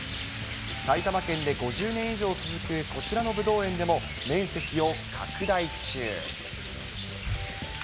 埼玉県で５０年以上続くこちらのブドウ園でも、面積を拡大中。